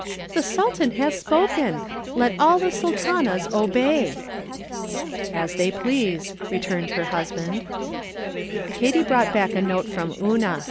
" The Sultan has spoken ! Let all the Sultanas obey !"." As they please," returned her husband. Katy brought back a note from Una.